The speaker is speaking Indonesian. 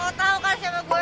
lo mau tau kan siapa gue